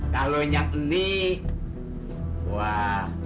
kalau yang ini wah lebih